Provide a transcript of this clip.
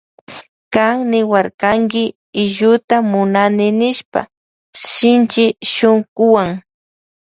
Kan niwarkanki illuta munani nishpa shinchi shunkuwan.